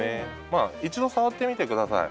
まあ一度触ってみて下さい。